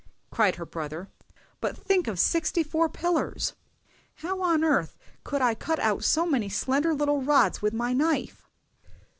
cried her brother; "but think of sixty four pillars! How on earth could I cut out so many slender little rods with my knife!"